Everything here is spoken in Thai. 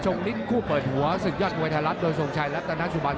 ชงลิ้นคู่เปิดหัวสึกยัดวัยทรรัฐโดยส่งชัยและตนาสุบัติ